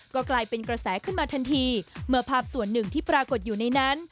ก็กลายเป็นกระแสขึ้นมาทันทีเมื่อภาพส่วนหนึ่งที่ปรากฏอยู่ในนั้น